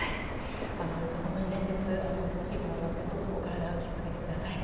尾身さん、本当に連日お忙しいと思いますがどうぞお体に気をつけてください。